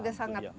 sudah sangat paham